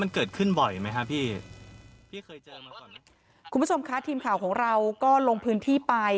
คุณผู้ชมค่ะทีมข่าวของเราก็ลงพื้นที่ไป